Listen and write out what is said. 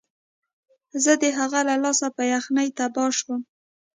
زه د هغه له لاسه په یخنۍ تباه شوم